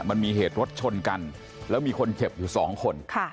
มันมีเหตุรถชนกันแล้วมีคนเจ็บอยู่สองคน